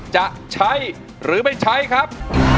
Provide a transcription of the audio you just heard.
จะใช้หรือไม่ใช้ครับ